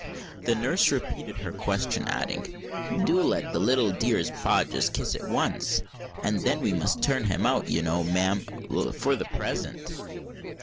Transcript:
The nurse repeated her question, adding, "Do let the little dear's pa just kiss it once; and then we must turn him out, you know, ma'am, for the present."